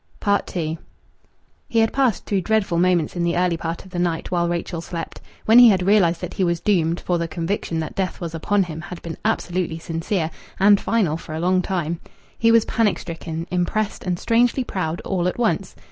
II He had passed through dreadful moments in the early part of the night while Rachel slept. When he had realized that he was doomed for the conviction that death was upon him had been absolutely sincere and final for a long time he was panic stricken, impressed, and strangely proud, all at once.